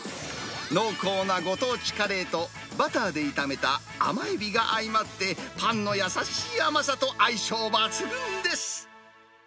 濃厚なご当地カレーと、バターで炒めた甘エビが相まって、パンの優しい甘さと相性抜群です。